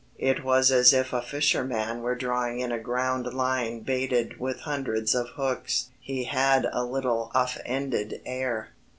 It was as if a fisherman were drawing in a ground line baited with hundreds of hooks. He had a little offended air.